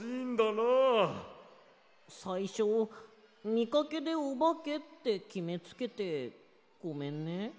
さいしょみかけでおばけってきめつけてごめんね。